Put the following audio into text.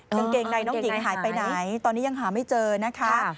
กางเกงในน้องหญิงหายไปไหนตอนนี้ยังหาไม่เจอนะคะ